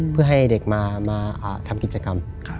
เพื่อให้เด็กมาทำกิจกรรม